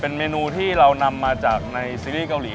เป็นเมนูที่เรานำมาจากในซีรีส์เกาหลี